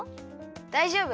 だいじょうぶ。